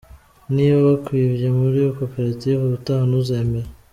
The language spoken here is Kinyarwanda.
Niba bakwibye muri koperative ubutaha ntuzemera.